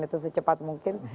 itu secepat mungkin